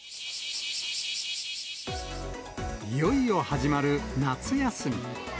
いよいよ始まる夏休み。